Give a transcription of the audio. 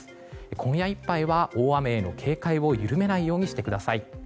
今夜いっぱいは大雨への警戒を緩めないようにしてください。